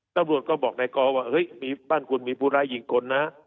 ตำรวจก็บอกนายกอว่าเฮ้ยมีบ้านคุณมีผู้ร้ายยิงคนนะ